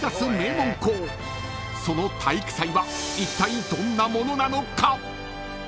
［その体育祭はいったいどんなものなのか？］